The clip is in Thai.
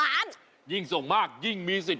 คาถาที่สำหรับคุณ